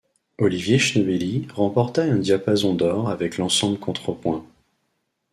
Olivier Schneebeli remporta un diapason d'or avec l’Ensemble Contrepoint.